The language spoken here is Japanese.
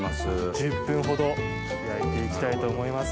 １０分ほど焼いて行きたいと思います。